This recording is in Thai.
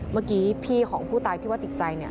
เมื่อกี้พี่ของผู้ตายที่ว่าติดใจเนี่ย